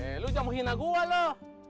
eh lu jangan mau hina gua loh